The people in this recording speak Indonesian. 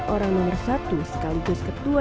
orang nomor satu sekaligus ketua